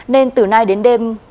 nên từ nay đến đêm